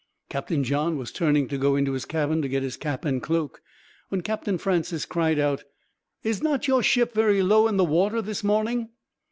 Captain John was turning to go into his cabin to get his cap and cloak, when Captain Francis cried out: "Is not your ship very low in the water this morning?"